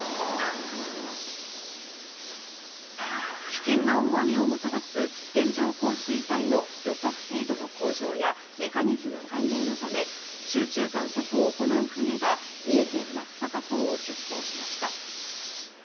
危険な大雨をもたらす線状降水帯の予測精度の向上やメカニズム解明のため集中観測を行う船が三重県・松阪港を出港しました。